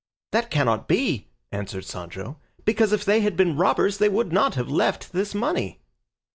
"That cannot be," answered Sancho, "because if they had been robbers they would not have left this money."